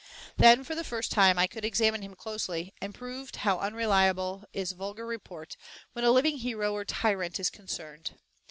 Then for the first time I could examine him closely, and proved how unreliable is vulgar report when a living hero or tyrant is concerned.